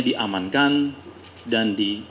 diamankan dan di